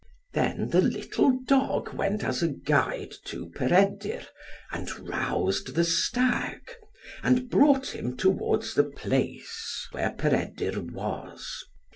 Then the little dog went as a guide to Peredur, and roused the stag, and brought him towards the place where Peredur was.